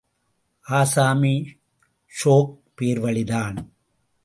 ஆசாமி ஷோக் பேர்வழிதான்.